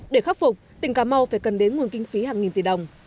để khắc phục tỉnh cà mau phải cần đến nguồn kinh phí hàng nghìn tỷ đồng